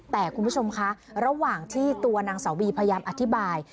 แต่คุณผู้ชมคะระหว่างที่ตัวนางสาวบีพยายามอธิบาย